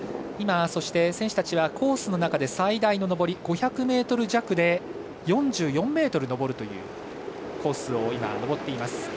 今、選手たちはコースの中で最大の上り、５００ｍ弱で４４ｍ上るというコースを上っています。